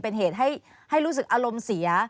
เป็นเหตุให้รู้สึกอารมณ์เสีย